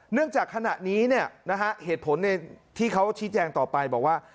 เนื่องจากขณะนี้เนี่ยนะฮะเหตุผลที่เขาชี้แจงต่อไปบอกว่า